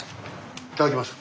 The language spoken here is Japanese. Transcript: いただきます。